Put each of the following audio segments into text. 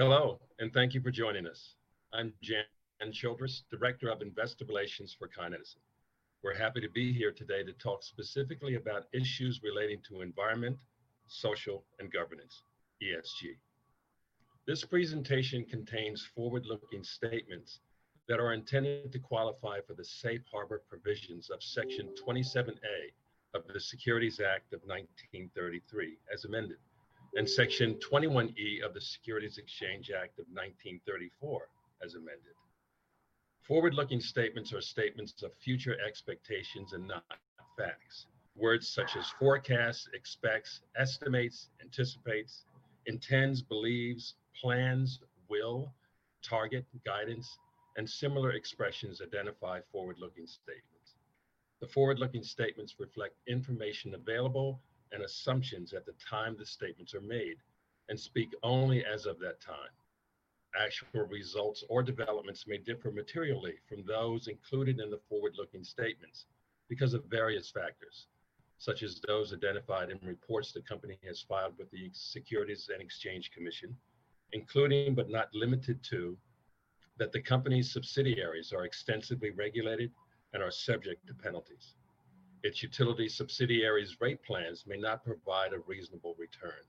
Hello, thank you for joining us. I'm Jan Childress, Director of Investor Relations for Con Edison. We're happy to be here today to talk specifically about issues relating to Environment, Social, and Governance, ESG. This presentation contains forward-looking statements that are intended to qualify for the safe harbor provisions of Section 27A of the Securities Act of 1933, as amended, and Section 21E of the Securities Exchange Act of 1934, as amended. Forward-looking statements are statements of future expectations and not facts. Words such as forecasts, expects, estimates, anticipates, intends, believes, plans, will, target, guidance, and similar expressions identify forward-looking statements. The forward-looking statements reflect information available and assumptions at the time the statements are made and speak only as of that time. Actual results or developments may differ materially from those included in the forward-looking statements because of various factors, such as those identified in reports the company has filed with the Securities and Exchange Commission, including but not limited to, that the company's subsidiaries are extensively regulated and are subject to penalties. Its utility subsidiaries rate plans may not provide a reasonable return.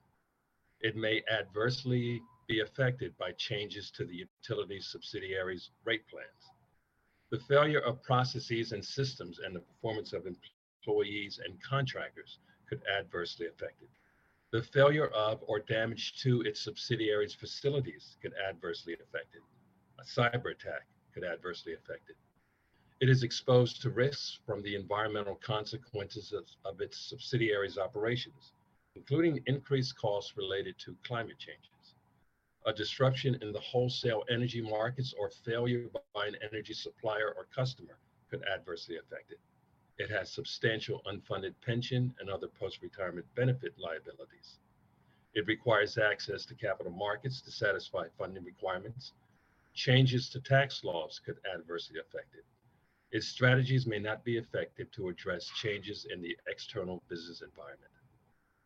It may adversely be affected by changes to the utility subsidiaries rate plans. The failure of processes and systems and the performance of employees and contractors could adversely affect it. The failure of or damage to its subsidiaries facilities could adversely affect it. A cyberattack could adversely affect it. It is exposed to risks from the environmental consequences of its subsidiaries operations, including increased costs related to climate changes. A disruption in the wholesale energy markets or failure by an energy supplier or customer could adversely affect it. It has substantial unfunded pension and other post-retirement benefit liabilities. It requires access to capital markets to satisfy funding requirements. Changes to tax laws could adversely affect it. Its strategies may not be effective to address changes in the external business environment.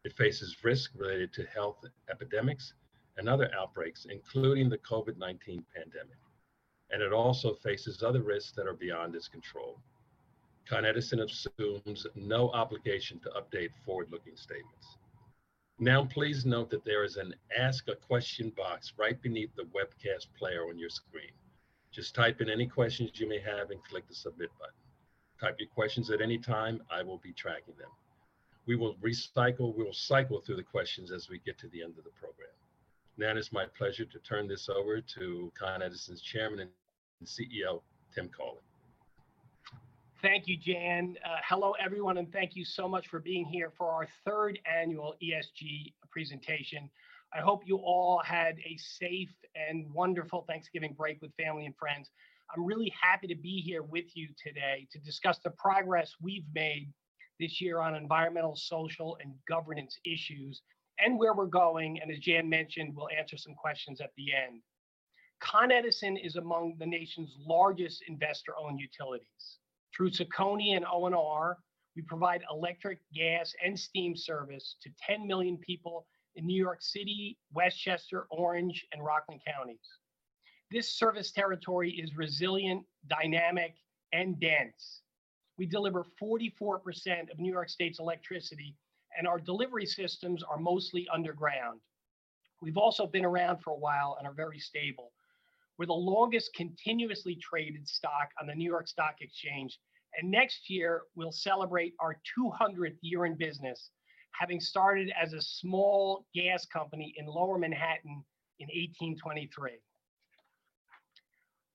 It faces risk related to health epidemics and other outbreaks, including the COVID-19 pandemic. It also faces other risks that are beyond its control. Con Edison assumes no obligation to update forward-looking statements. Please note that there is an Ask a Question box right beneath the webcast player on your screen. Just type in any questions you may have and click the Submit button. Type your questions at any time. I will be tracking them. We will cycle through the questions as we get to the end of the program. Now it is my pleasure to turn this over to Con Edison's Chairman and CEO, Tim Cawley. Thank you, Jan. Hello, everyone, and thank you so much for being here for our third annual ESG presentation. I hope you all had a safe and wonderful Thanksgiving break with family and friends. I'm really happy to be here with you today to discuss the progress we've made this year on Environmental, Social, and Governance issues and where we're going. As Jan mentioned, we'll answer some questions at the end. Con Edison is among the nation's largest investor-owned utilities. Through CECONY and O&R, we provide electric, gas, and steam service to 10 million people in New York City, Westchester, Orange, and Rockland counties. This service territory is resilient, dynamic, and dense. We deliver 44% of New York State's electricity. Our delivery systems are mostly underground. We've also been around for a while and are very stable. We're the longest continuously traded stock on the New York Stock Exchange. Next year we'll celebrate our 200th year in business, having started as a small gas company in Lower Manhattan in 1823.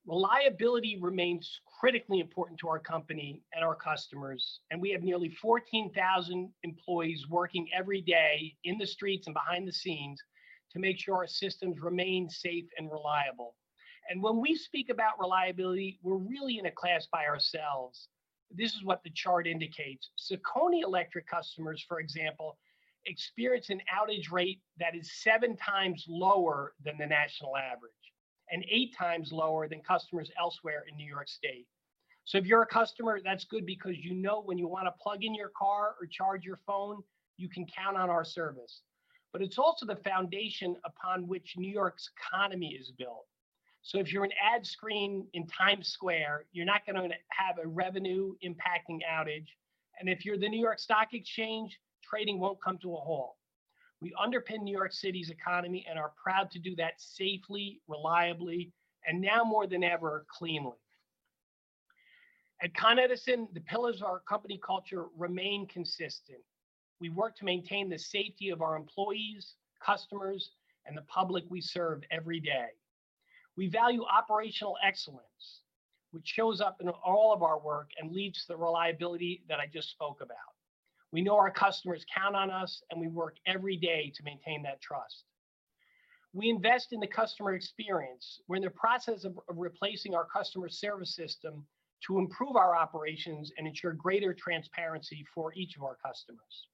Reliability remains critically important to our company and our customers. We have nearly 14,000 employees working every day in the streets and behind the scenes to make sure our systems remain safe and reliable. When we speak about reliability, we're really in a class by ourselves. This is what the chart indicates. CECONY electric customers, for example, experience an outage rate that is 7x lower than the national average and 8x lower than customers elsewhere in New York State. If you're a customer, that's good because you know when you want to plug in your car or charge your phone, you can count on our service. It's also the foundation upon which New York's economy is built. If you're an ad screen in Times Square, you're not going to have a revenue impacting outage. If you're the New York Stock Exchange, trading won't come to a halt. We underpin New York City's economy and are proud to do that safely, reliably, and now more than ever, cleanly. At Con Edison, the pillars of our company culture remain consistent. We work to maintain the safety of our employees, customers, and the public we serve every day. We value operational excellence, which shows up in all of our work and leads to the reliability that I just spoke about. We know our customers count on us, and we work every day to maintain that trust. We invest in the customer experience. We're in the process of replacing our customer service system to improve our operations and ensure greater transparency for each of our customers.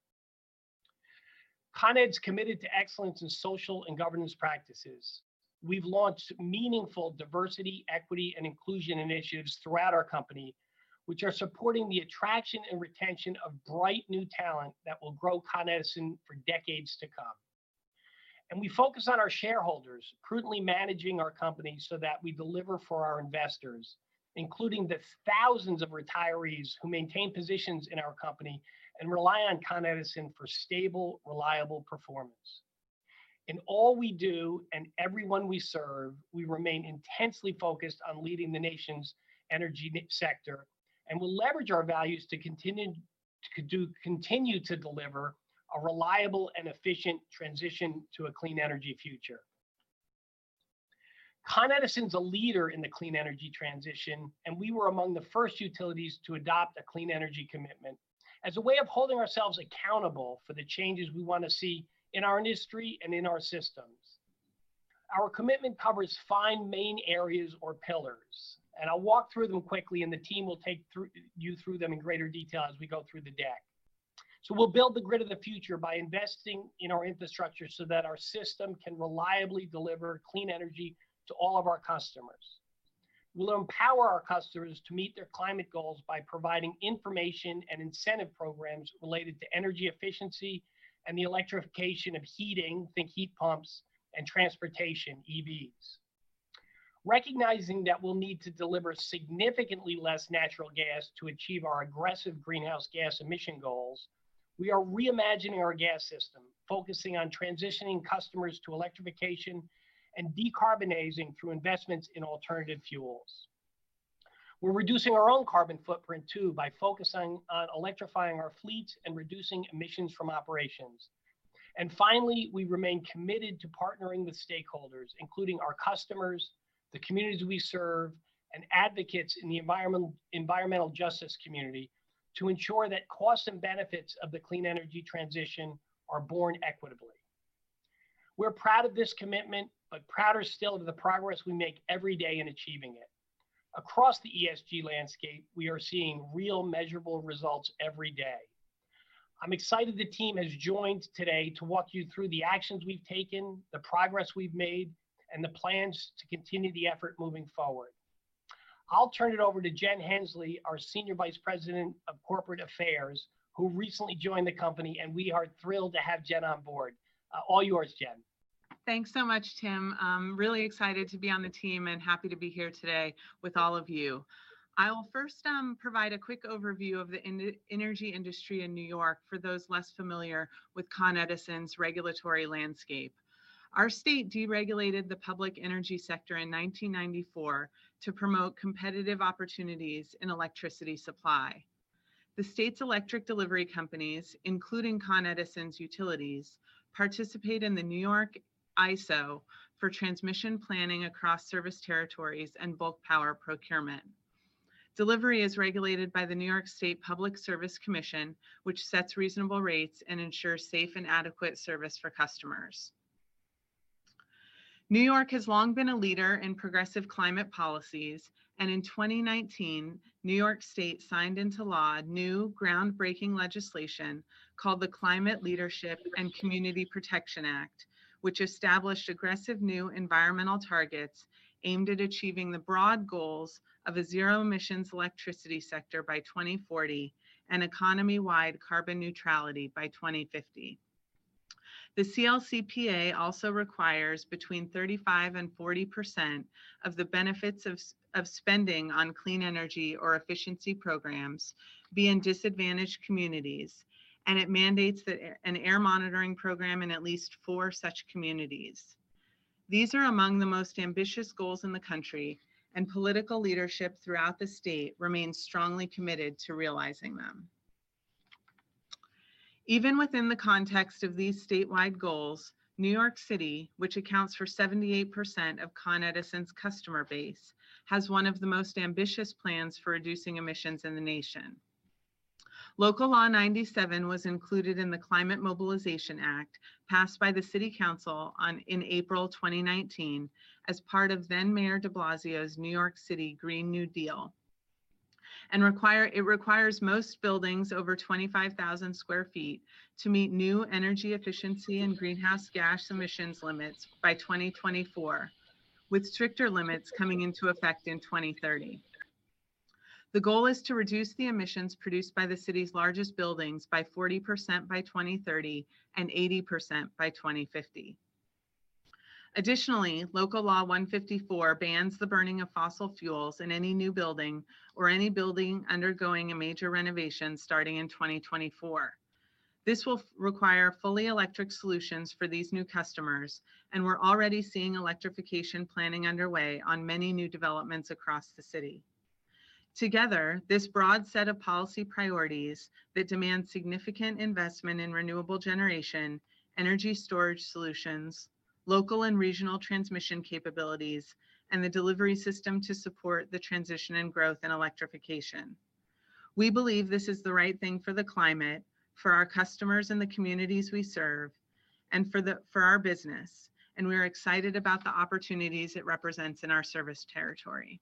Con Ed's committed to excellence in social and governance practices. We've launched meaningful diversity, equity, and inclusion initiatives throughout our company, which are supporting the attraction and retention of bright new talent that will grow Con Edison for decades to come. We focus on our shareholders, prudently managing our company so that we deliver for our investors including the thousands of retirees who maintain positions in our company and rely on Con Edison for stable, reliable performance. In all we do and everyone we serve, we remain intensely focused on leading the nation's energy sector and we'll leverage our values to continue to deliver a reliable and efficient transition to a clean energy future. Con Edison is a leader in the clean energy transition. We were among the first utilities to adopt a clean energy commitment as a way of holding ourselves accountable for the changes we want to see in our industry and in our systems. Our commitment covers five main areas or pillars. I'll walk through them quickly, and the team will take you through them in greater detail as we go through the deck. We'll build the grid of the future by investing in our infrastructure so that our system can reliably deliver clean energy to all of our customers. We'll empower our customers to meet their climate goals by providing information and incentive programs related to energy efficiency and the electrification of heating, think heat pumps, and transportation, EVs. Recognizing that we'll need to deliver significantly less natural gas to achieve our aggressive greenhouse gas emission goals, we are reimagining our gas system, focusing on transitioning customers to electrification and decarbonizing through investments in alternative fuels. We're reducing our own carbon footprint too by focusing on electrifying our fleet and reducing emissions from operations. Finally, we remain committed to partnering with stakeholders, including our customers, the communities we serve, and advocates in the environment, environmental justice community to ensure that costs and benefits of the clean energy transition are borne equitably. We're proud of this commitment, prouder still of the progress we make every day in achieving it. Across the ESG landscape, we are seeing real measurable results every day. I'm excited the team has joined today to walk you through the actions we've taken, the progress we've made, and the plans to continue the effort moving forward. I'll turn it over to Jen Hensley, our Senior Vice President of Corporate Affairs, who recently joined the company. We are thrilled to have Jen on board. All yours, Jen. Thanks so much, Tim. I'm really excited to be on the team and happy to be here today with all of you. I will first provide a quick overview of the energy industry in New York for those less familiar with Con Edison's regulatory landscape. Our state deregulated the public energy sector in 1994 to promote competitive opportunities in electricity supply. The state's electric delivery companies, including Con Edison's utilities, participate in the New York ISO for transmission planning across service territories and bulk power procurement. Delivery is regulated by the New York State Public Service Commission, which sets reasonable rates and ensures safe and adequate service for customers. New York has long been a leader in progressive climate policies, in 2019, New York State signed into law new groundbreaking legislation called the Climate Leadership and Community Protection Act, which established aggressive new environmental targets aimed at achieving the broad goals of a zero emissions electricity sector by 2040 and economy-wide carbon neutrality by 2050. The CLCPA also requires between 35% and 40% of the benefits of spending on clean energy or efficiency programs be in disadvantaged communities, and it mandates that an air monitoring program in at least four such communities. These are among the most ambitious goals in the country and political leadership throughout the state remains strongly committed to realizing them. Even within the context of these statewide goals, New York City, which accounts for 78% of Con Edison's customer base, has one of the most ambitious plans for reducing emissions in the nation. Local Law 97 was included in the Climate Mobilization Act passed by the City Council in April 2019 as part of then Mayor de Blasio's New York City Green New Deal, it requires most buildings over 25 sq ft to meet new energy efficiency and greenhouse gas emissions limits by 2024, with stricter limits coming into effect in 2030. The goal is to reduce the emissions produced by the city's largest buildings by 40% by 2030 and 80% by 2050. Additionally, Local Law 154 bans the burning of fossil fuels in any new building or any building undergoing a major renovation starting in 2024. This will require fully electric solutions for these new customers. We're already seeing electrification planning underway on many new developments across the city. Together, this broad set of policy priorities that demand significant investment in renewable generation, energy storage solutions, local and regional transmission capabilities, and the delivery system to support the transition and growth in electrification. We believe this is the right thing for the climate, for our customers and the communities we serve, and for our business. We are excited about the opportunities it represents in our service territory.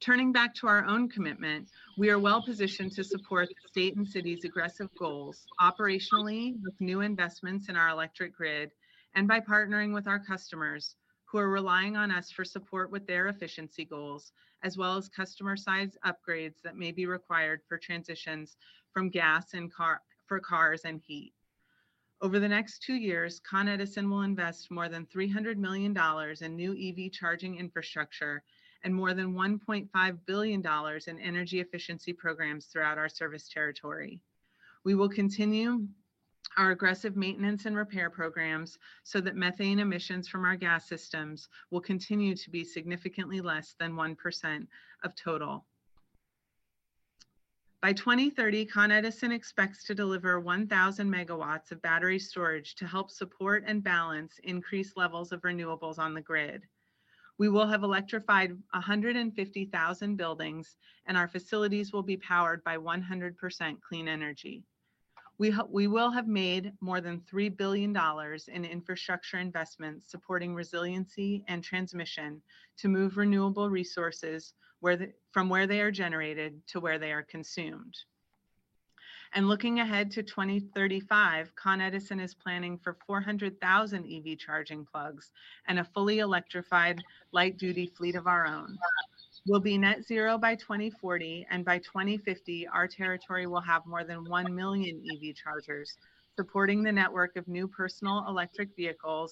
Turning back to our own commitment, we are well-positioned to support the state and city's aggressive goals operationally with new investments in our electric grid and by partnering with our customers who are relying on us for support with their efficiency goals, as well as customer size upgrades that may be required for transitions from gas for cars and heat. Over the next two years, Con Edison will invest more than $300 million in new EV charging infrastructure and more than $1.5 billion in energy efficiency programs throughout our service territory. We will continue our aggressive maintenance and repair programs so that methane emissions from our gas systems will continue to be significantly less than 1% of total. By 2030, Con Edison expects to deliver 1,000 MW of battery storage to help support and balance increased levels of renewables on the grid. We will have electrified 150,000 buildings, our facilities will be powered by 100% clean energy. We will have made more than $3 billion in infrastructure investments supporting resiliency and transmission to move renewable resources from where they are generated to where they are consumed. Looking ahead to 2035, Con Edison is planning for 400,000 EV charging plugs and a fully electrified light duty fleet of our own. We'll be net zero by 2040, by 2050, our territory will have more than 1 million EV chargers supporting the network of new personal electric vehicles,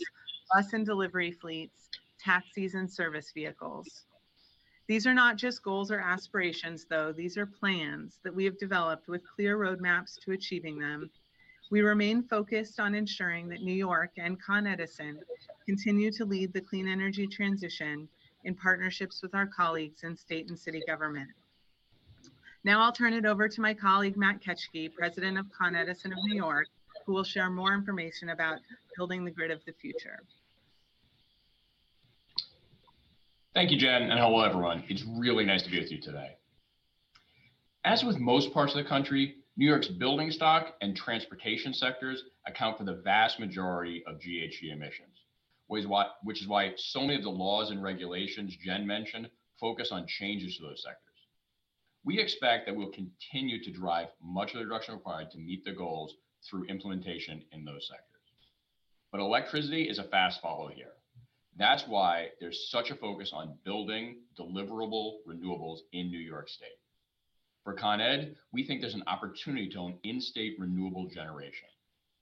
bus and delivery fleets, taxis and service vehicles. These are not just goals or aspirations, though. These are plans that we have developed with clear roadmaps to achieving them. We remain focused on ensuring that New York and Con Edison continue to lead the clean energy transition in partnerships with our colleagues in state and city government. I'll turn it over to my colleague, Matt Ketschke, President of Con Edison of New York, who will share more information about building the grid of the future. Thank you, Jen, and hello, everyone. It's really nice to be with you today. As with most parts of the country, New York's building stock and transportation sectors account for the vast majority of GHG emissions. Which is why so many of the laws and regulations Jen mentioned focus on changes to those sectors. We expect that we'll continue to drive much of the reduction required to meet the goals through implementation in those sectors. Electricity is a fast follow here. That's why there's such a focus on building deliverable renewables in New York State. For Con Ed, we think there's an opportunity to own in-state renewable generation,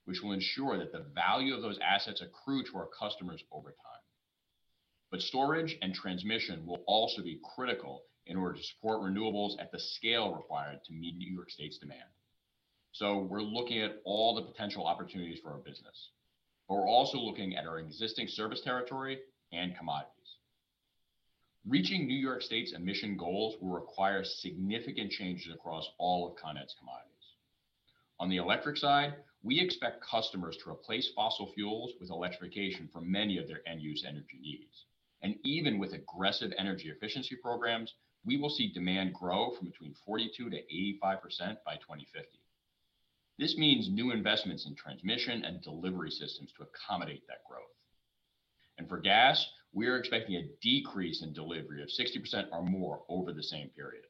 which will ensure that the value of those assets accrue to our customers over time. Storage and transmission will also be critical in order to support renewables at the scale required to meet New York State's demand. We're looking at all the potential opportunities for our business. We're also looking at our existing service territory and commodities. Reaching New York State's emission goals will require significant changes across all of Con Ed's commodities. On the electric side, we expect customers to replace fossil fuels with electrification for many of their end use energy needs. Even with aggressive energy efficiency programs, we will see demand grow from between 42%-85% by 2050. This means new investments in transmission and delivery systems to accommodate that growth. For gas, we are expecting a decrease in delivery of 60% or more over the same period.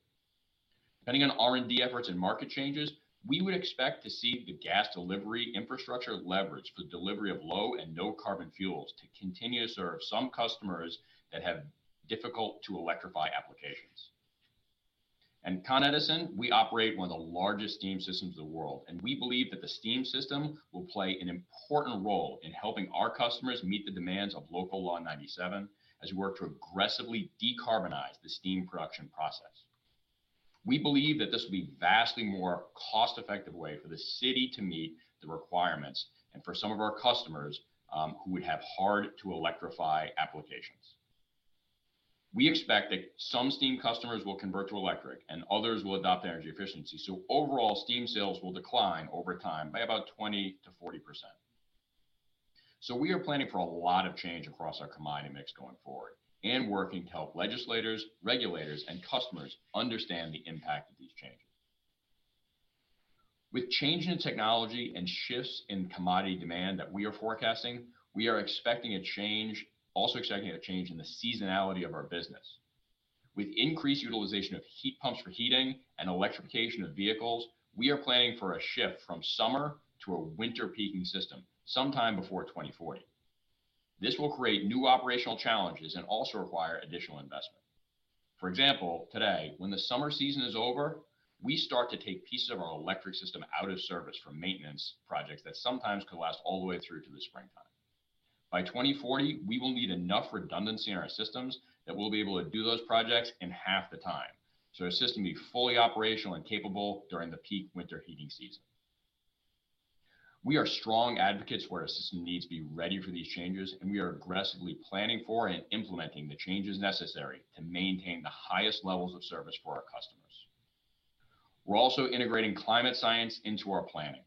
Depending on R&D efforts and market changes, we would expect to see the gas delivery infrastructure leveraged for the delivery of low and no carbon fuels to continue to serve some customers that have difficult to electrify applications. At Con Edison, we operate one of the largest steam systems in the world. We believe that the steam system will play an important role in helping our customers meet the demands of Local Law 97 as we work to aggressively decarbonize the steam production process. We believe that this will be vastly more cost-effective way for the city to meet the requirements and for some of our customers, who would have hard to electrify applications. We expect that some steam customers will convert to electric and others will adopt energy efficiency. Overall steam sales will decline over time by about 20%-40%. We are planning for a lot of change across our commodity mix going forward and working to help legislators, regulators, and customers understand the impact of these changes. With changes in technology and shifts in commodity demand that we are forecasting, we are expecting a change, also expecting a change in the seasonality of our business. With increased utilization of heat pumps for heating and electrification of vehicles, we are planning for a shift from summer to a winter peaking system sometime before 2040. This will create new operational challenges and also require additional investment. For example, today, when the summer season is over, we start to take pieces of our electric system out of service for maintenance projects that sometimes could last all the way through to the springtime. By 2040, we will need enough redundancy in our systems that we'll be able to do those projects in half the time. Our system will be fully operational and capable during the peak winter heating season. We are strong advocates for our system needs to be ready for these changes. We are aggressively planning for and implementing the changes necessary to maintain the highest levels of service for our customers. We're also integrating climate science into our planning.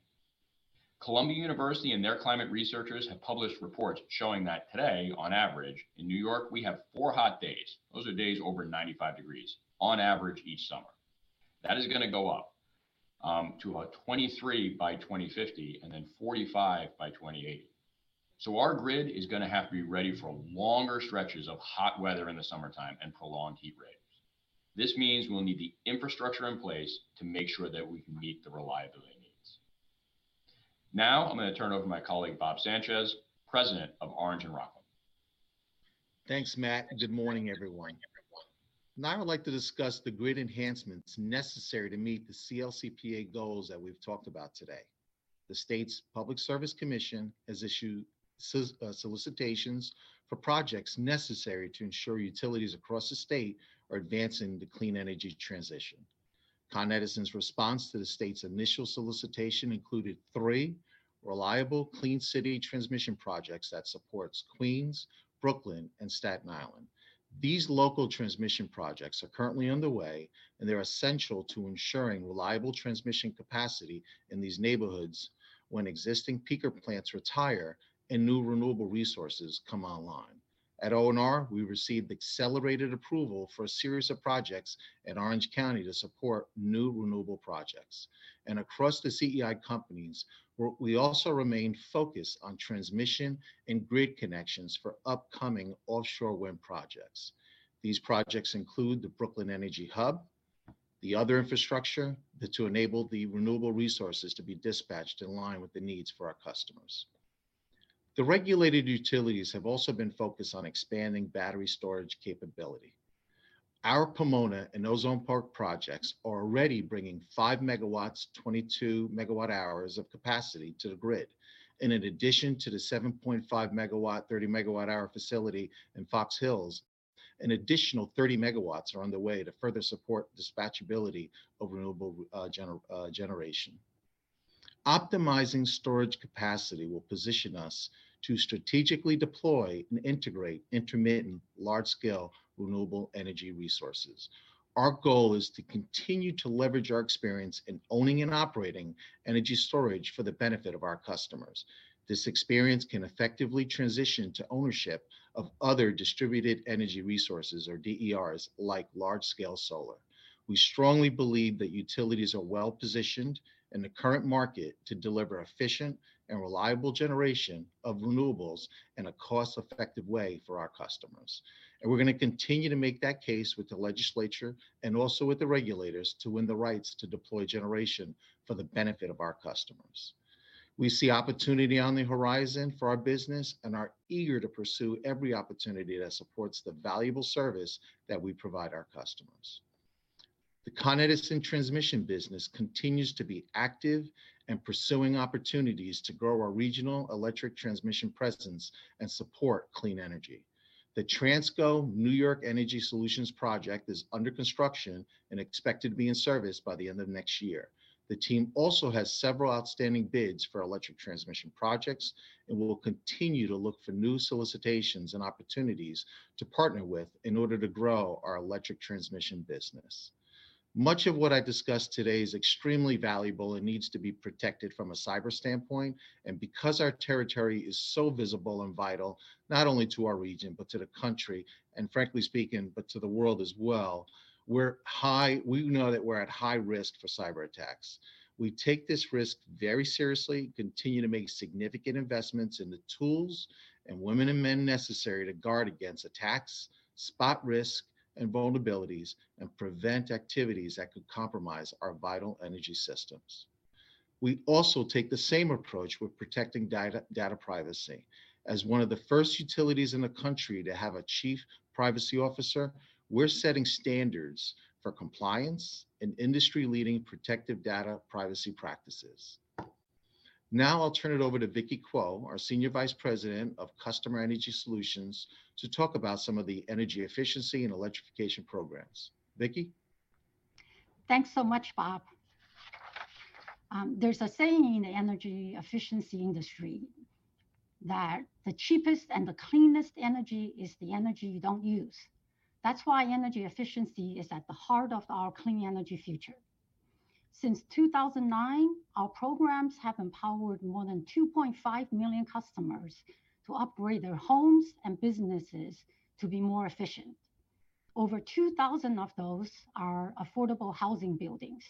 Columbia University and their climate researchers have published reports showing that today, on average, in New York, we have 4 hot days, those are days over 95 degrees, on average each summer. That is gonna go up to 23 by 2050 and 45 by 2080. Our grid is gonna have to be ready for longer stretches of hot weather in the summertime and prolonged heat waves. This means we'll need the infrastructure in place to make sure that we can meet the reliability needs. I'm gonna turn over to my colleague, Bob Sanchez, President of Orange and Rockland. Thanks, Matt, and good morning everyone. I would like to discuss the grid enhancements necessary to meet the CLCPA goals that we've talked about today. The state's Public Service Commission has issued solicitations for projects necessary to ensure utilities across the state are advancing the clean energy transition. Con Edison's response to the state's initial solicitation included three Reliable Clean City transmission projects that supports Queens, Brooklyn, and Staten Island. These local transmission projects are currently underway, and they're essential to ensuring reliable transmission capacity in these neighborhoods when existing peaker plants retire and new renewable resources come online. At O&R, we received accelerated approval for a series of projects at Orange County to support new renewable projects. Across the CEI companies, we also remain focused on transmission and grid connections for upcoming offshore wind projects. These projects include the Brooklyn Energy Hub, the other infrastructure that enable the renewable resources to be dispatched in line with the needs for our customers. The regulated utilities have also been focused on expanding battery storage capability. Our Pomona and Ozone Park projects are already bringing 5 MW, 22 MWh of capacity to the grid. In addition to the 7.5 MW, 30 MWh facility in Fox Hills, an additional 30 MW are on the way to further support dispatchability of renewable generation. Optimizing storage capacity will position us to strategically deploy and integrate intermittent large-scale renewable energy resources. Our goal is to continue to leverage our experience in owning and operating energy storage for the benefit of our customers. This experience can effectively transition to ownership of other Distributed Energy Resources or DERs, like large-scale solar. We strongly believe that utilities are well-positioned in the current market to deliver efficient and reliable generation of renewables in a cost-effective way for our customers. We're going to continue to make that case with the legislature and also with the regulators to win the rights to deploy generation for the benefit of our customers. We see opportunity on the horizon for our business and are eager to pursue every opportunity that supports the valuable service that we provide our customers. The Con Edison Transmission business continues to be active in pursuing opportunities to grow our regional electric transmission presence and support clean energy. The Transco New York Energy Solution project is under construction and expected to be in service by the end of next year. The team also has several outstanding bids for electric transmission projects and will continue to look for new solicitations and opportunities to partner with in order to grow our electric transmission business. Much of what I discussed today is extremely valuable and needs to be protected from a cyber standpoint. Because our territory is so visible and vital, not only to our region, but to the country, and frankly speaking, but to the world as well, we know that we're at high risk for cyberattacks. We take this risk very seriously, continue to make significant investments in the tools and women and men necessary to guard against attacks, spot risk and vulnerabilities, and prevent activities that could compromise our vital energy systems. We also take the same approach with protecting data privacy. As one of the first utilities in the country to have a chief privacy officer, we're setting standards for compliance and industry-leading protective data privacy practices. Now, I'll turn it over to Vicki Kuo, our Senior Vice President of Customer Energy Solutions, to talk about some of the energy efficiency and electrification programs. Vicki. Thanks so much, Bob. There's a saying in the energy efficiency industry that the cheapest and the cleanest energy is the energy you don't use. That's why energy efficiency is at the heart of our clean energy future. Since 2009, our programs have empowered more than 2.5 million customers to operate their homes and businesses to be more efficient. Over 2,000 of those are affordable housing buildings.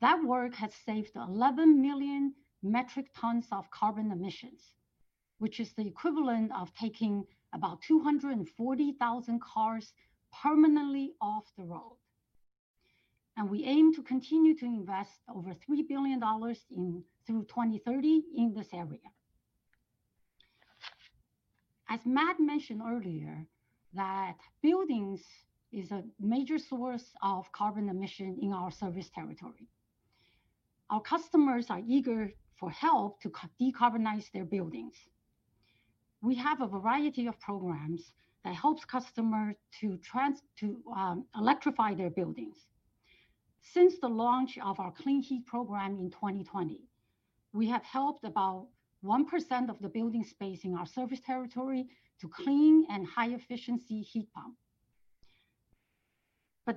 That work has saved 11 million metric tons of carbon emissions, which is the equivalent of taking about 240,000 cars permanently off the road. We aim to continue to invest over $3 billion through 2030 in this area. As Matt mentioned earlier, that buildings is a major source of carbon emission in our service territory. Our customers are eager for help to decarbonize their buildings. We have a variety of programs that helps customers to electrify their buildings. Since the launch of our Clean Heat program in 2020, we have helped about 1% of the building space in our service territory to clean and high-efficiency heat pump.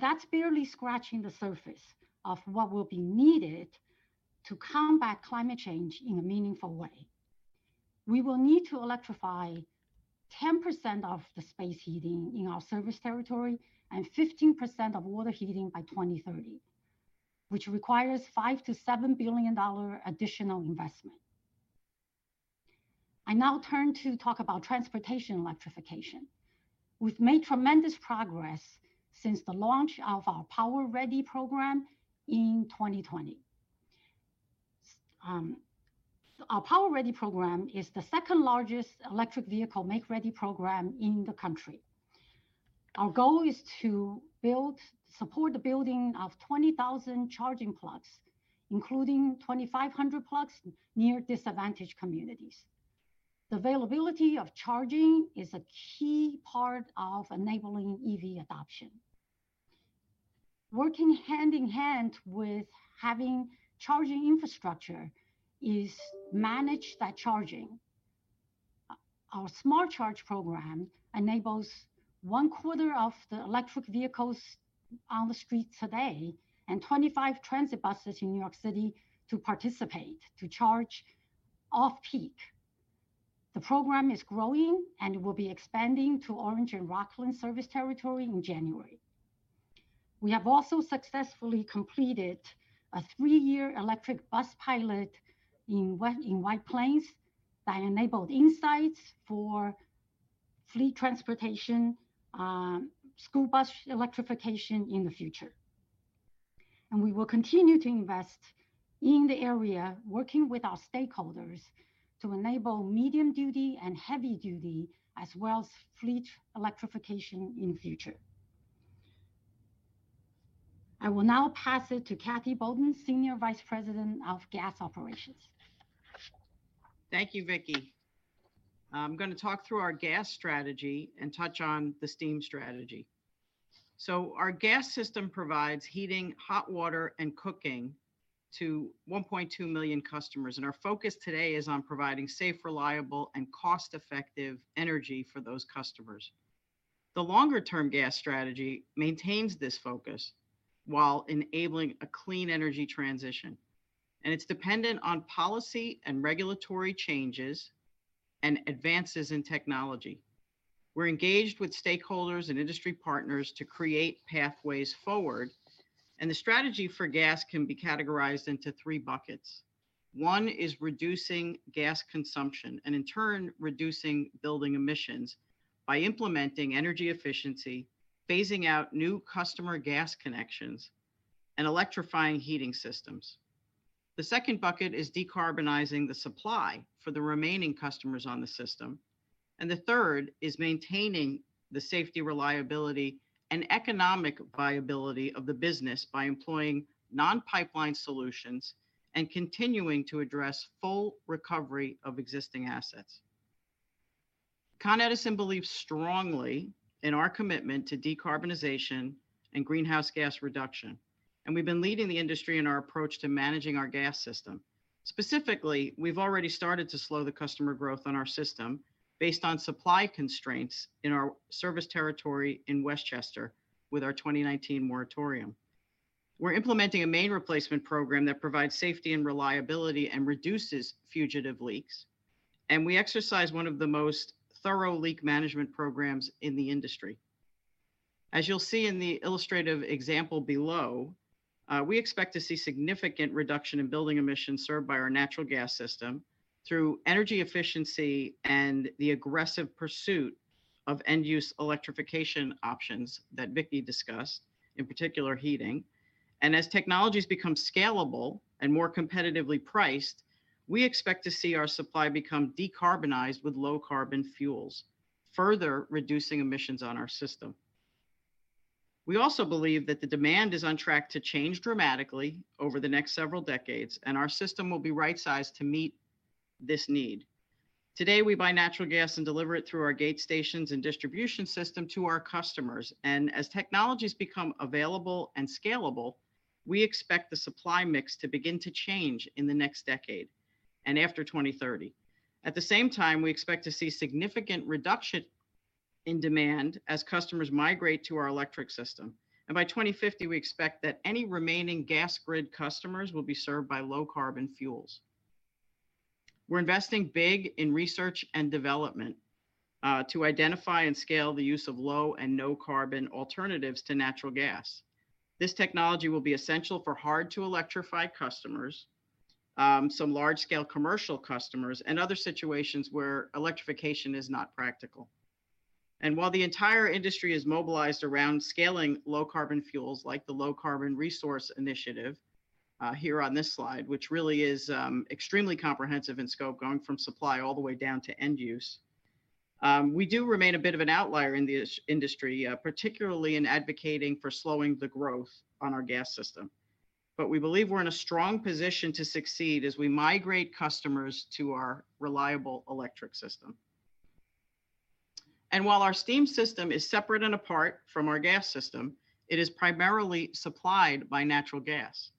That's barely scratching the surface of what will be needed to combat climate change in a meaningful way. We will need to electrify 10% of the space heating in our service territory and 15% of water heating by 2030, which requires $5 billion-$7 billion additional investment. I now turn to talk about transportation electrification. We've made tremendous progress since the launch of our PowerReady program in 2020. Our PowerReady program is the second largest electric vehicle make-ready program in the country. Our goal is to build... support the building of 20,000 charging plugs, including 2,500 plugs near disadvantaged communities. The availability of charging is a key part of enabling EV adoption. Working hand-in-hand with having charging infrastructure is manage that charging. Our SmartCharge program enables one-quarter of the electric vehicles on the street today and 25 transit buses in New York City to participate to charge off-peak. The program is growing. It will be expanding to Orange and Rockland service territory in January. We have also successfully completed a 3-year electric bus pilot in White Plains that enabled insights for fleet transportation, school bus electrification in the future. We will continue to invest in the area, working with our stakeholders to enable medium-duty and heavy-duty, as well as fleet electrification in future. I will now pass it to Kathy Boden, Senior Vice President of Gas Operations. Thank you, Vicki. I'm going to talk through our gas strategy and touch on the steam strategy. Our gas system provides heating, hot water, and cooking to 1.2 million customers. Our focus today is on providing safe, reliable, and cost-effective energy for those customers. The longer-term gas strategy maintains this focus while enabling a clean energy transition. It's dependent on policy and regulatory changes and advances in technology. We're engaged with stakeholders and industry partners to create pathways forward. The strategy for gas can be categorized into 3 buckets. One is reducing gas consumption and, in turn, reducing building emissions by implementing energy efficiency, phasing out new customer gas connections, and electrifying heating systems. The second bucket is decarbonizing the supply for the remaining customers on the system. The third is maintaining the safety, reliability, and economic viability of the business by employing non-pipeline solutions and continuing to address full recovery of existing assets. Con Edison believes strongly in our commitment to decarbonization and greenhouse gas reduction. We've been leading the industry in our approach to managing our gas system. Specifically, we've already started to slow the customer growth on our system based on supply constraints in our service territory in Westchester with our 2019 moratorium. We're implementing a main replacement program that provides safety and reliability and reduces fugitive leaks. We exercise one of the most thorough leak management programs in the industry. As you'll see in the illustrative example below, we expect to see significant reduction in building emissions served by our natural gas system through energy efficiency and the aggressive pursuit of end-use electrification options that Vicki discussed, in particular heating. As technologies become scalable and more competitively priced, we expect to see our supply become decarbonized with low carbon fuels, further reducing emissions on our system. We also believe that the demand is on track to change dramatically over the next several decades, and our system will be right-sized to meet this need. Today, we buy natural gas and deliver it through our gate stations and distribution system to our customers. As technologies become available and scalable, we expect the supply mix to begin to change in the next decade and after 2030. At the same time, we expect to see significant reduction in demand as customers migrate to our electric system. By 2050, we expect that any remaining gas grid customers will be served by low carbon fuels. We're investing big in research and development to identify and scale the use of low and no carbon alternatives to natural gas. This technology will be essential for hard-to-electrify customers, some large-scale commercial customers, and other situations where electrification is not practical. While the entire industry is mobilized around scaling low carbon fuels like the Low-Carbon Resources Initiative, here on this slide, which really is extremely comprehensive in scope, going from supply all the way down to end use, we do remain a bit of an outlier in this industry, particularly in advocating for slowing the growth on our gas system. We believe we're in a strong position to succeed as we migrate customers to our reliable electric system. While our steam system is separate and apart from our gas system, it is primarily supplied by natural gas.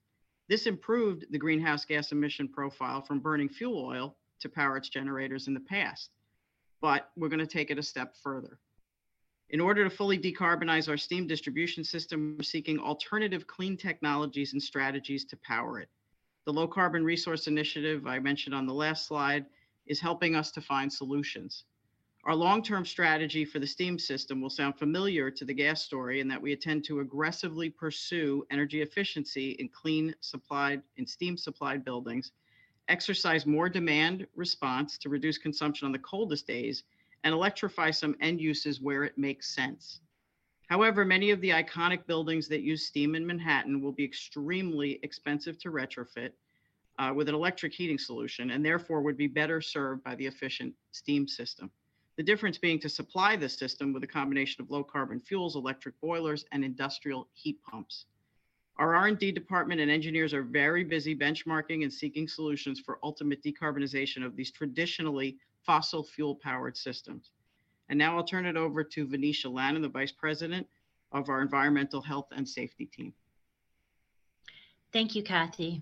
This improved the greenhouse gas emission profile from burning fuel oil to power its generators in the past, but we're gonna take it a step further. In order to fully decarbonize our steam distribution system, we're seeking alternative clean technologies and strategies to power it. The Low-Carbon Resource Initiative I mentioned on the last slide is helping us to find solutions. Our long-term strategy for the steam system will sound familiar to the gas story in that we intend to aggressively pursue energy efficiency in clean supplied, in steam supplied buildings, exercise more demand response to reduce consumption on the coldest days, and electrify some end uses where it makes sense. However, many of the iconic buildings that use steam in Manhattan will be extremely expensive to retrofit with an electric heating solution, and therefore would be better served by the efficient steam system. The difference being to supply the system with a combination of low carbon fuels, electric boilers, and industrial heat pumps. Our R&D department and engineers are very busy benchmarking and seeking solutions for ultimate decarbonization of these traditionally fossil fuel powered systems. Now I'll turn it over to Venetia Lannon, the Vice President of our Environmental Health and Safety team. Thank you, Kathy.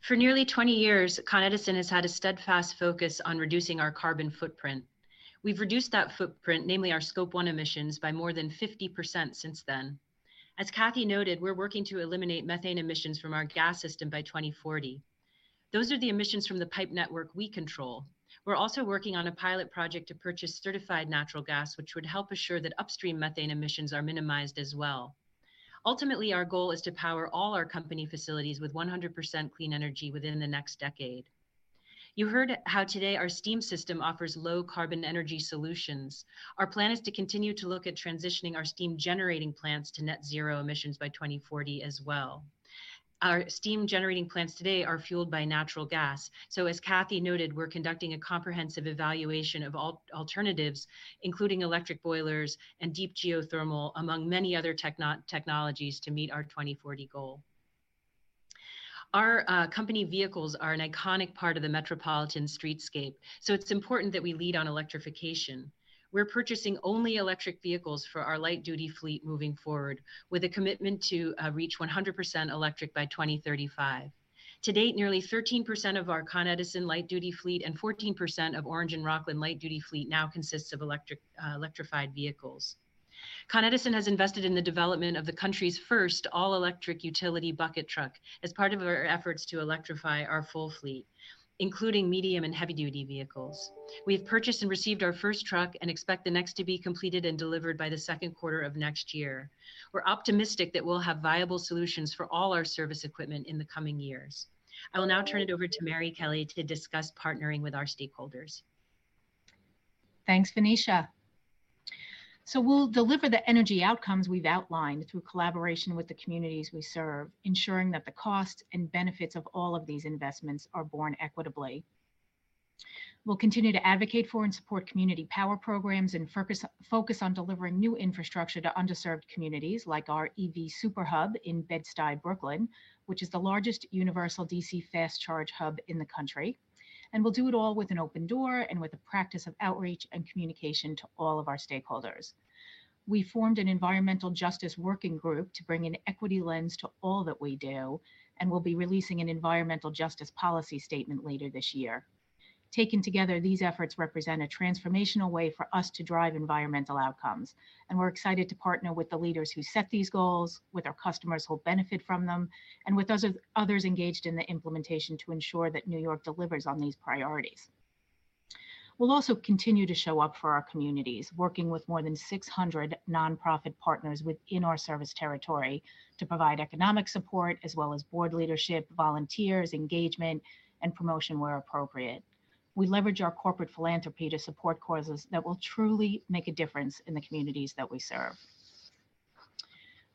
For nearly 20 years, Con Edison has had a steadfast focus on reducing our carbon footprint. We've reduced that footprint, namely our Scope 1 emissions, by more than 50% since then. As Kathy noted, we're working to eliminate methane emissions from our gas system by 2040. Those are the emissions from the pipe network we control. We're also working on a pilot project to purchase certified natural gas, which would help assure that upstream methane emissions are minimized as well. Ultimately, our goal is to power all our company facilities with 100% clean energy within the next decade. You heard how today our steam system offers low carbon energy solutions. Our plan is to continue to look at transitioning our steam generating plants to net zero emissions by 2040 as well. Our steam generating plants today are fueled by natural gas. As Kathy noted, we're conducting a comprehensive evaluation of alternatives, including electric boilers and deep geothermal, among many other technologies to meet our 2040 goal. Our company vehicles are an iconic part of the metropolitan streetscape. It's important that we lead on electrification. We're purchasing only electric vehicles for our light-duty fleet moving forward, with a commitment to reach 100% electric by 2035. To date, nearly 13% of our Con Edison light-duty fleet and 14% of Orange and Rockland light-duty fleet now consists of electrified vehicles. Con Edison has invested in the development of the country's first all-electric utility bucket truck as part of our efforts to electrify our full fleet, including medium and heavy-duty vehicles. We've purchased and received our first truck and expect the next to be completed and delivered by the second quarter of next year. We're optimistic that we'll have viable solutions for all our service equipment in the coming years. I will now turn it over to Mary Kelly to discuss partnering with our stakeholders. Thanks, Venetia. We'll deliver the energy outcomes we've outlined through collaboration with the communities we serve, ensuring that the costs and benefits of all of these investments are borne equitably. We'll continue to advocate for and support community power programs and focus on delivering new infrastructure to underserved communities like our EV Superhub in Bed-Stuy, Brooklyn, which is the largest universal DC fast charge hub in the country. We'll do it all with an open door and with the practice of outreach and communication to all of our stakeholders. We formed an environmental justice working group to bring an equity lens to all that we do and will be releasing an environmental justice policy statement later this year. Taken together, these efforts represent a transformational way for us to drive environmental outcomes, and we're excited to partner with the leaders who set these goals, with our customers who will benefit from them, and with those others engaged in the implementation to ensure that New York delivers on these priorities. We'll also continue to show up for our communities, working with more than 600 nonprofit partners within our service territory to provide economic support as well as board leadership, volunteers, engagement, and promotion where appropriate. We leverage our corporate philanthropy to support causes that will truly make a difference in the communities that we serve.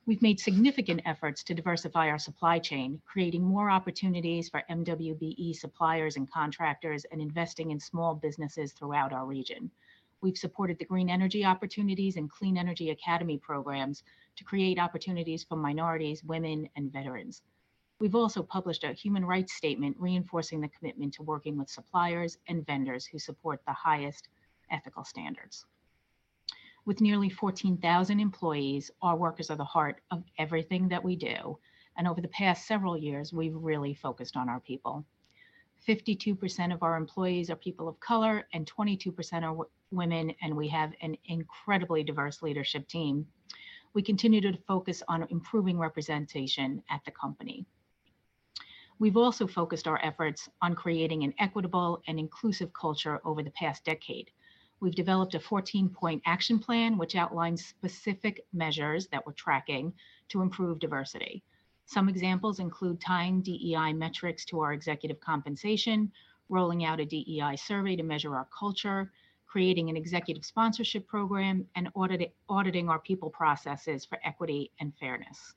We've made significant efforts to diversify our supply chain, creating more opportunities for MWBE suppliers and contractors, and investing in small businesses throughout our region. We've supported the Green Energy Opportunities and Clean Energy Academy programs to create opportunities for minorities, women, and veterans. We've also published a human rights statement reinforcing the commitment to working with suppliers and vendors who support the highest ethical standards. With nearly 14,000 employees, our workers are the heart of everything that we do, and over the past several years, we've really focused on our people. 52% of our employees are people of color, and 22% are women, and we have an incredibly diverse leadership team. We continue to focus on improving representation at the company. We've also focused our efforts on creating an equitable and inclusive culture over the past decade. We've developed a 14-point action plan which outlines specific measures that we're tracking to improve diversity. Some examples include tying DEI metrics to our executive compensation, rolling out a DEI survey to measure our culture, creating an executive sponsorship program, and auditing our people processes for equity and fairness.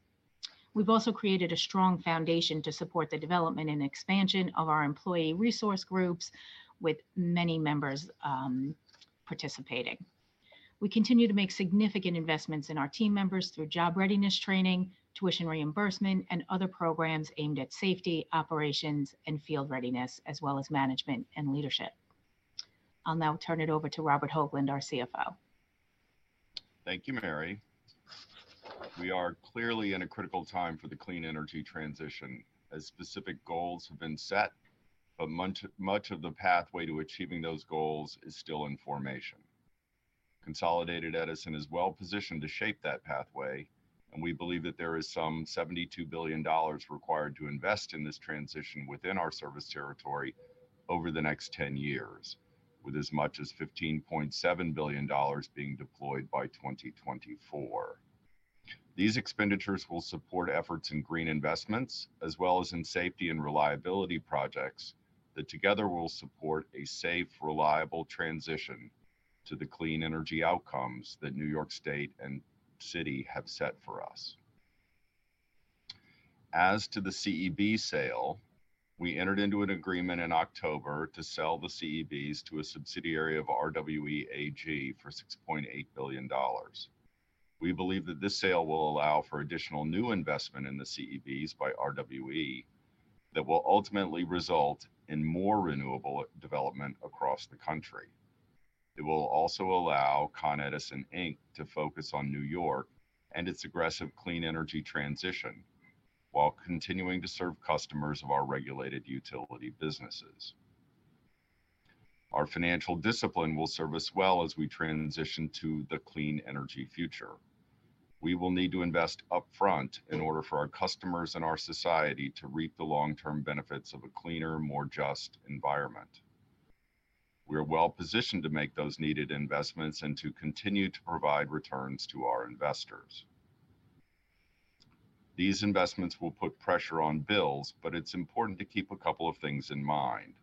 We've also created a strong foundation to support the development and expansion of our employee resource groups with many members participating. We continue to make significant investments in our team members through job readiness training, tuition reimbursement, and other programs aimed at safety, operations, and field readiness, as well as management and leadership. I'll now turn it over to Robert Hoglund, our CFO. Thank you, Mary. We are clearly in a critical time for the clean energy transition, as specific goals have been set, but much of the pathway to achieving those goals is still in formation. Consolidated Edison is well-positioned to shape that pathway, and we believe that there is some $72 billion required to invest in this transition within our service territory over the next 10 years, with as much as $15.7 billion being deployed by 2024. These expenditures will support efforts in green investments as well as in safety and reliability projects that together will support a safe, reliable transition to the clean energy outcomes that New York State and City have set for us. As to the CEB sale, we entered into an agreement in October to sell the CEB to a subsidiary of RWE AG for $6.8 billion. We believe that this sale will allow for additional new investment in the CEB by RWE that will ultimately result in more renewable development across the country. It will also allow Con Edison Inc. to focus on New York and its aggressive clean energy transition while continuing to serve customers of our regulated utility businesses. Our financial discipline will serve us well as we transition to the clean energy future. We will need to invest upfront in order for our customers and our society to reap the long-term benefits of a cleaner, more just environment. We are well-positioned to make those needed investments and to continue to provide returns to our investors. These investments will put pressure on bills. It's important to keep a couple of things in mind.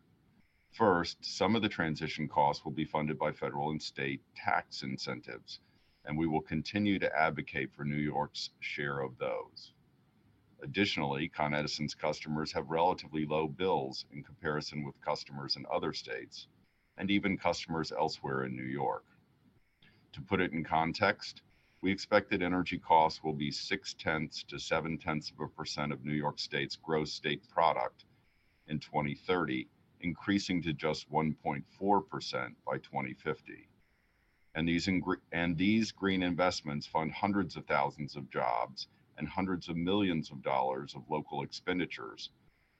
First, some of the transition costs will be funded by federal and state tax incentives. We will continue to advocate for New York's share of those. Additionally, Con Edison's customers have relatively low bills in comparison with customers in other states and even customers elsewhere in New York. To put it in context, we expect that energy costs will be 0.6% to 0.7% of New York State's gross state product in 2030, increasing to just 1.4% by 2050. These green investments fund hundreds of thousands of jobs and hundreds of millions of dollars of local expenditures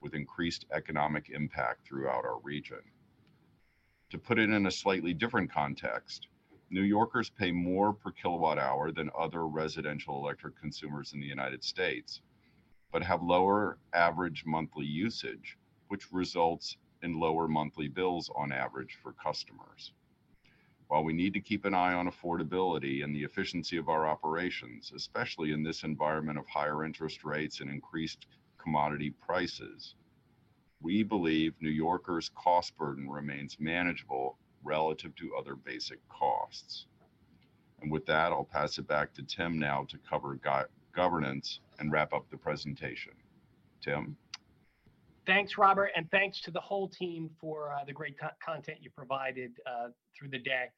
with increased economic impact throughout our region. To put it in a slightly different context, New Yorkers pay more per kilowatt hour than other residential electric consumers in the United States but have lower average monthly usage, which results in lower monthly bills on average for customers. While we need to keep an eye on affordability and the efficiency of our operations, especially in this environment of higher interest rates and increased commodity prices, we believe New Yorkers' cost burden remains manageable relative to other basic costs. With that, I'll pass it back to Tim now to cover governance and wrap up the presentation. Tim? Thanks, Robert, and thanks to the whole team for the great content you provided through the deck.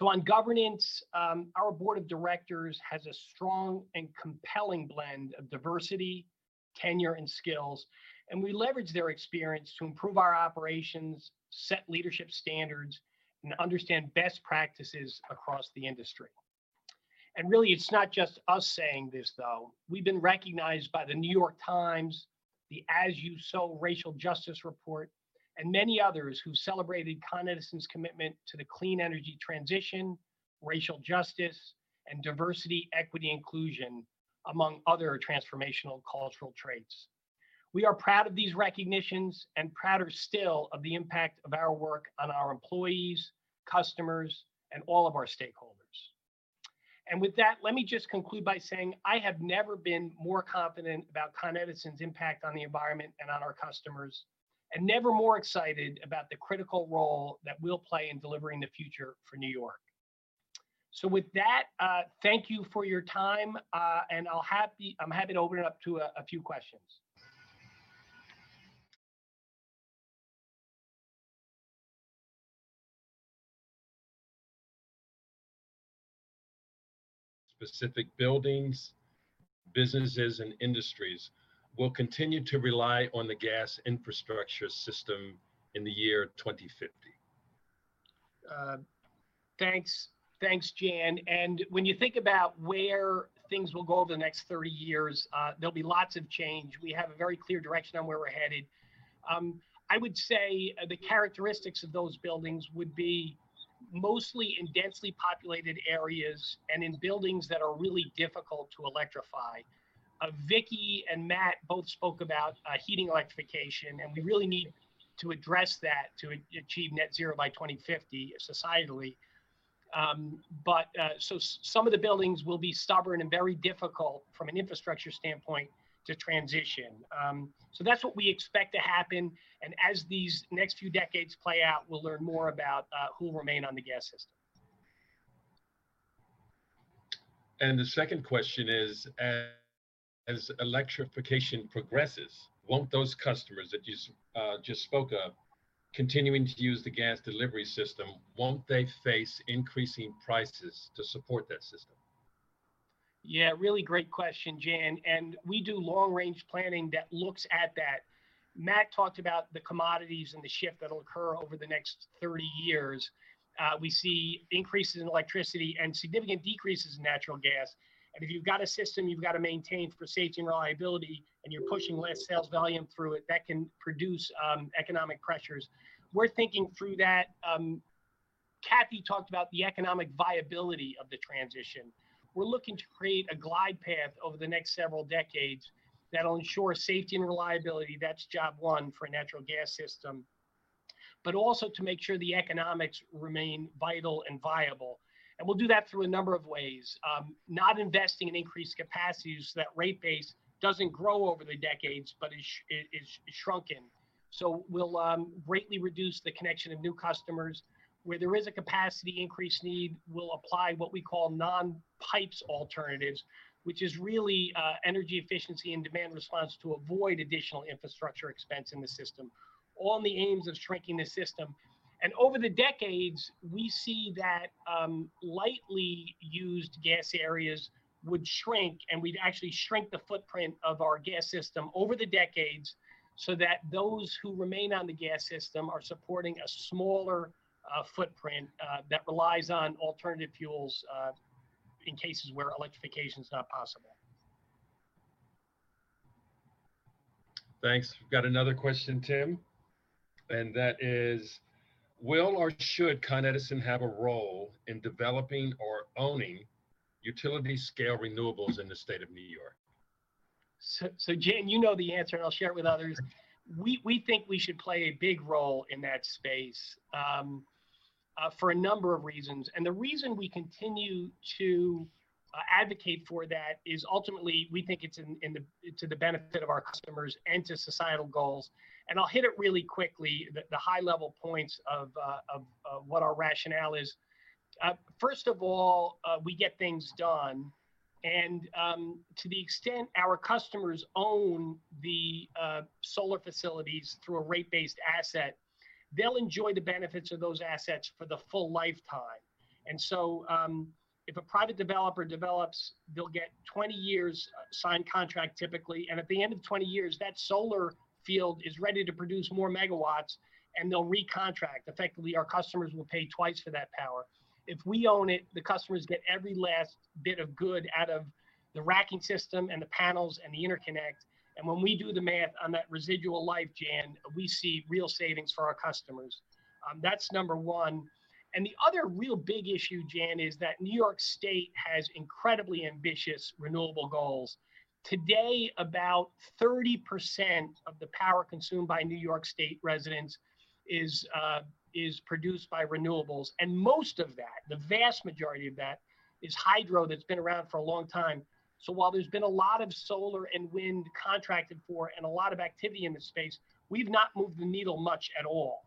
On governance, our Board of Directors has a strong and compelling blend of diversity, tenure, and skills, and we leverage their experience to improve our operations, set leadership standards, and understand best practices across the industry. Really, it's not just us saying this, though. We've been recognized by The New York Times, the As You Sow Racial Justice Report, and many others who celebrated Con Edison's commitment to the clean energy transition, racial justice, and diversity, equity, inclusion, among other transformational cultural traits. We are proud of these recognitions and prouder still of the impact of our work on our employees, customers, and all of our stakeholders. With that, let me just conclude by saying I have never been more confident about Con Edison's impact on the environment and on our customers and never more excited about the critical role that we'll play in delivering the future for New York. With that, thank you for your time, and I'm happy to open it up to a few questions. Specific buildings, businesses, and industries will continue to rely on the gas infrastructure system in the year 2050. Thanks. Thanks, Jan. When you think about where things will go over the next 30 years, there'll be lots of change. We have a very clear direction on where we're headed. I would say the characteristics of those buildings would be mostly in densely populated areas and in buildings that are really difficult to electrify. Vicki and Matt both spoke about heating electrification, and we really need to address that to achieve net zero by 2050 societally. Some of the buildings will be stubborn and very difficult from an infrastructure standpoint to transition. That's what we expect to happen, and as these next few decades play out, we'll learn more about who will remain on the gas system. The second question is, as electrification progresses, won't those customers that you just spoke of continuing to use the gas delivery system, won't they face increasing prices to support that system? Yeah, really great question, Jan. We do long-range planning that looks at that. Matt talked about the commodities and the shift that'll occur over the next 30 years. We see increases in electricity and significant decreases in natural gas. If you've got a system you've got to maintain for safety and reliability and you're pushing less sales volume through it, that can produce economic pressures. We're thinking through that. Kathy talked about the economic viability of the transition. We're looking to create a glide path over the next several decades that'll ensure safety and reliability. That's job one for a natural gas system. Also to make sure the economics remain vital and viable. We'll do that through a number of ways, not investing in increased capacity so that rate base doesn't grow over the decades, but is shrunken so we'll greatly reduce the connection of new customers where there is a capacity increase need, we'll apply what we call non-pipes alternatives, which is really energy efficiency and demand response to avoid additional infrastructure expense in the system, all in the aims of shrinking the system. Over the decades, we see that lightly used gas areas would shrink, and we'd actually shrink the footprint of our gas system over the decades so that those who remain on the gas system are supporting a smaller footprint that relies on alternative fuels in cases where electrification's not possible. Thanks. Got another question, Tim, and that is: Will or should Con Edison have a role in developing or owning utility-scale renewables in the state of New York? Jan, you know the answer, and I'll share it with others. We think we should play a big role in that space for a number of reasons. The reason we continue to advocate for that is ultimately we think it's in the, to the benefit of our customers and to societal goals. I'll hit it really quickly, the high level points of what our rationale is. First of all, we get things done and, to the extent our customers own the solar facilities through a rate-based asset, they'll enjoy the benefits of those assets for the full lifetime. If a private developer develops, they'll get 20 years signed contract typically, and at the end of 20 years, that solar field is ready to produce more megawatts and they'll recontract. Effectively, our customers will pay twice for that power. If we own it, the customers get every last bit of good out of the racking system and the panels and the interconnect. When we do the math on that residual life, Jan, we see real savings for our customers. That's number one. The other real big issue, Jan, is that New York State has incredibly ambitious renewable goals. Today, about 30% of the power consumed by New York State residents is produced by renewables, and most of that, the vast majority of that, is hydro that's been around for a long time. While there's been a lot of solar and wind contracted for and a lot of activity in the space, we've not moved the needle much at all.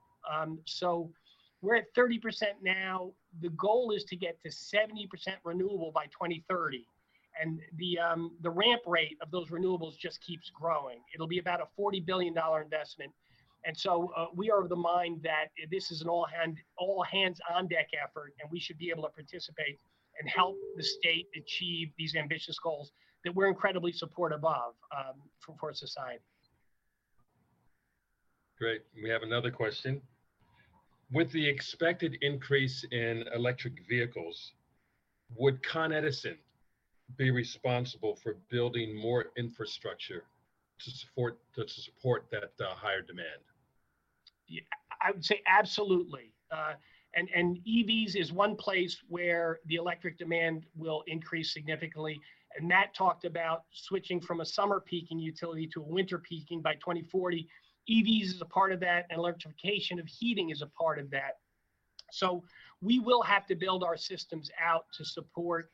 We're at 30% now. The goal is to get to 70% renewable by 2030. The ramp rate of those renewables just keeps growing. It'll be about a $40 billion investment, we are of the mind that this is an all hands on deck effort, and we should be able to participate and help the state achieve these ambitious goals that we're incredibly supportive of for its society. Great. We have another question. With the expected increase in electric vehicles, would Con Edison be responsible for building more infrastructure to support that higher demand? Yeah, I would say absolutely. EVs is one place where the electric demand will increase significantly. Matt talked about switching from a summer peaking utility to a winter peaking by 2040. EVs is a part of that, and electrification of heating is a part of that. We will have to build our systems out to support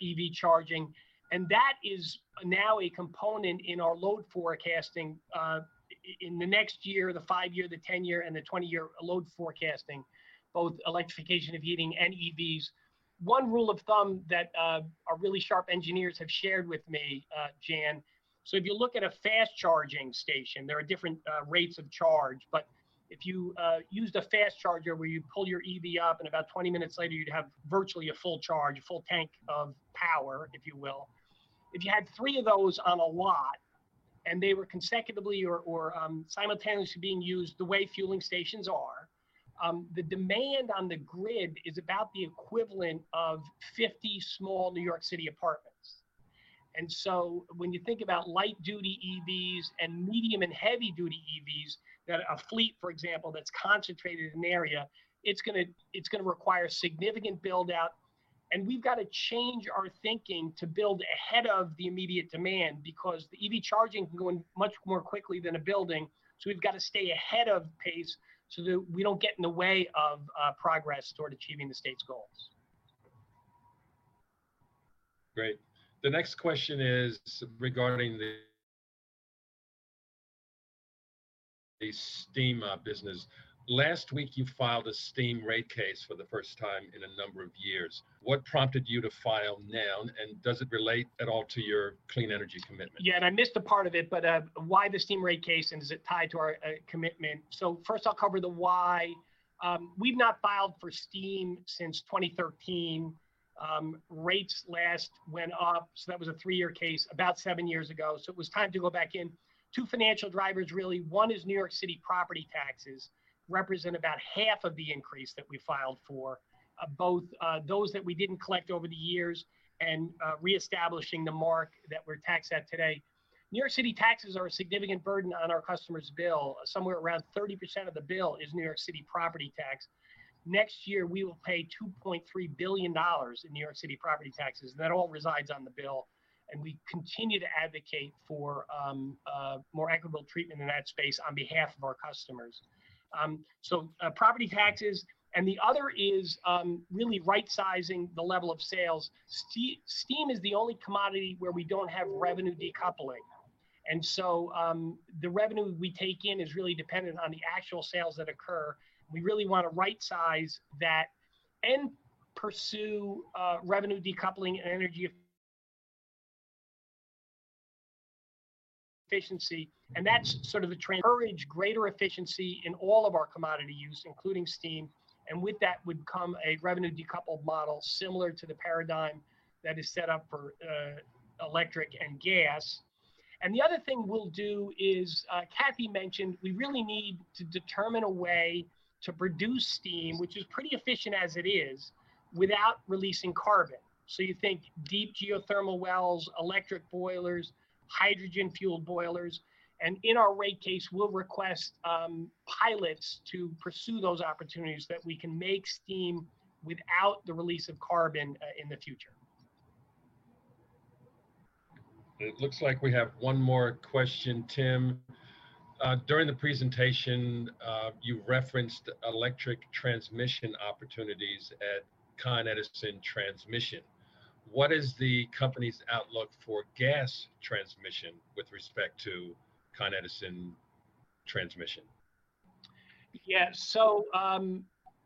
EV charging, and that is now a component in our load forecasting, in the next year, the five-year, the ten-year, and the twenty-year load forecasting, both electrification of heating and EVs. One rule of thumb that our really sharp engineers have shared with me, Jan, if you look at a fast charging station, there are different rates of charge. If you used a fast charger where you pull your EV up and about 20 minutes later you'd have virtually a full charge, a full tank of power, if you will. If you had 3 of those on a lot, and they were consecutively or simultaneously being used the way fueling stations are, the demand on the grid is about the equivalent of 50 small New York City apartments. When you think about light-duty EVs and medium and heavy-duty EVs that a fleet, for example, that's concentrated in an area, it's gonna require significant build-out, and we've gotta change our thinking to build ahead of the immediate demand because the EV charging can go in much more quickly than a building, so we've gotta stay ahead of pace so that we don't get in the way of progress toward achieving the state's goals. Great. The next question is regarding the steam business. Last week, you filed a steam rate case for the first time in a number of years. What prompted you to file now, and does it relate at all to your clean energy commitment? I missed a part of it, why the steam rate case, and is it tied to our commitment? First I'll cover the why. We've not filed for steam since 2013. Rates last went up, so that was a 3-year case, about 7 years ago, so it was time to go back in. Two financial drivers really. One is New York City property taxes represent about half of the increase that we filed for, both those that we didn't collect over the years and reestablishing the mark that we're taxed at today. New York City taxes are a significant burden on our customers' bill. Somewhere around 30% of the bill is New York City property tax. Next year, we will pay $2.3 billion in New York City property taxes. That all resides on the bill, and we continue to advocate for more equitable treatment in that space on behalf of our customers. Property taxes. The other is really right-sizing the level of sales. Steam is the only commodity where we don't have revenue decoupling. The revenue we take in is really dependent on the actual sales that occur. We really want to right-size that and pursue revenue decoupling and energy efficiency. That's sort of the trend. Encourage greater efficiency in all of our commodity use, including steam. With that would come a revenue decoupled model similar to the paradigm that is set up for electric and gas. The other thing we'll do is, Kathy mentioned we really need to determine a way to produce steam, which is pretty efficient as it is, without releasing carbon. You think deep geothermal wells, electric boilers, hydrogen fueled boilers, and in our rate case, we'll request pilots to pursue those opportunities that we can make steam without the release of carbon in the future. It looks like we have one more question, Tim. During the presentation, you referenced electric transmission opportunities at Con Edison Transmission. What is the company's outlook for gas transmission with respect to Con Edison Transmission?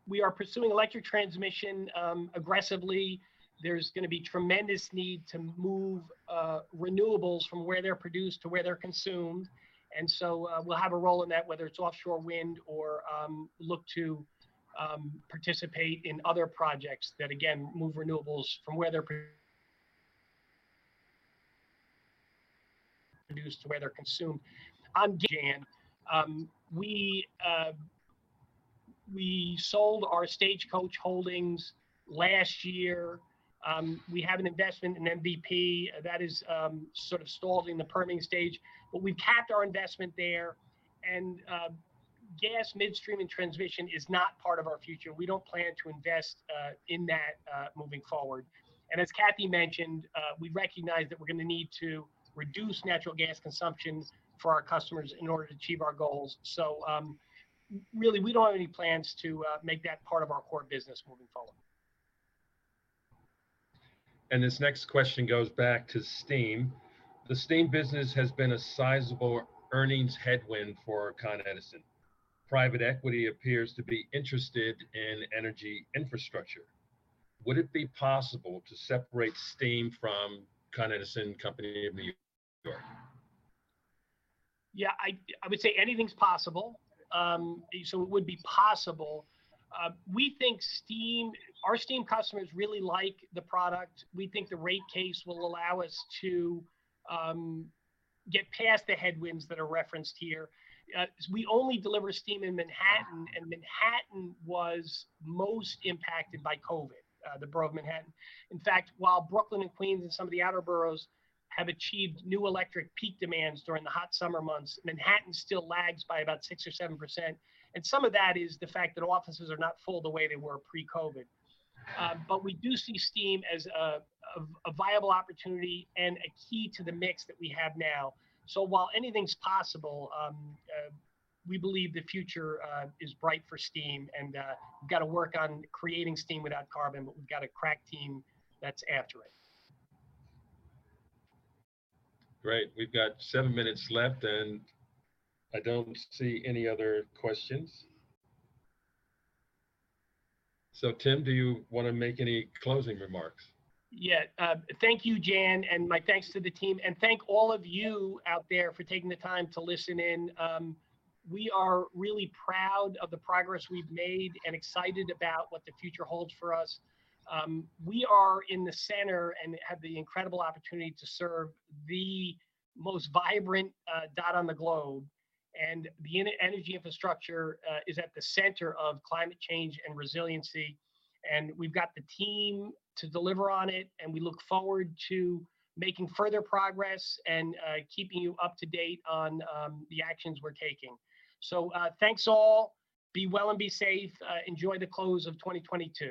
We are pursuing electric transmission aggressively. There's gonna be tremendous need to move renewables from where they're produced to where they're consumed. We'll have a role in that, whether it's offshore wind or look to participate in other projects that, again, move renewables from where they're produced to where they're consumed. Again, we sold our Stagecoach holdings last year. We have an investment in MVP that is sort of stalled in the permitting stage. We've capped our investment there. Gas midstream and transmission is not part of our future. We don't plan to invest in that moving forward. As Kathy mentioned, we recognize that we're gonna need to reduce natural gas consumption for our customers in order to achieve our goals. Really, we don't have any plans to make that part of our core business moving forward. This next question goes back to steam. The steam business has been a sizable earnings headwind for Con Edison. Private equity appears to be interested in energy infrastructure. Would it be possible to separate steam from Con Edison Company of New York? I would say anything's possible. It would be possible. We think steam... Our steam customers really like the product. We think the rate case will allow us to get past the headwinds that are referenced here. We only deliver steam in Manhattan, and Manhattan was most impacted by COVID, the borough of Manhattan. In fact, while Brooklyn and Queens and some of the outer boroughs have achieved new electric peak demands during the hot summer months, Manhattan still lags by about 6% or 7%, and some of that is the fact that offices are not full the way they were pre-COVID. We do see steam as a, a viable opportunity and a key to the mix that we have now. While anything's possible, we believe the future is bright for steam. We've got to work on creating steam without carbon, but we've got a crack team that's after it. Great. We've got 7 minutes left, and I don't see any other questions. Tim, do you wanna make any closing remarks? Yeah. Thank you, Jan, and my thanks to the team. Thank all of you out there for taking the time to listen in. We are really proud of the progress we've made and excited about what the future holds for us. We are in the center and have the incredible opportunity to serve the most vibrant dot on the globe. The energy infrastructure is at the center of climate change and resiliency. We've got the team to deliver on it, and we look forward to making further progress and keeping you up to date on the actions we're taking. Thanks all. Be well and be safe. Enjoy the close of 2022.